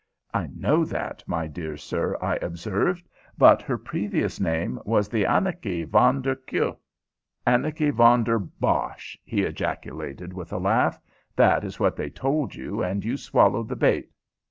"I know that, my dear sir," I observed, "but her previous name was the Anneke van der Q." "Anneke van der bosh!" he ejaculated, with a laugh. "That is what they told you, and you swallowed the bait.